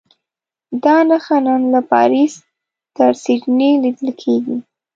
دا نښه نن له پاریس تر سیډني لیدل کېږي.